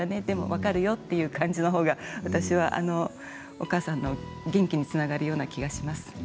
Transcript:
でも、分かるよっていう感じのほうが、私はお母さんの元気につながるような気がします。